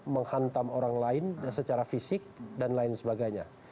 menghantam orang lain secara fisik dan lain sebagainya